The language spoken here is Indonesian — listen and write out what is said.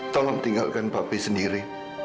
tolong tinggalkan papi sendiri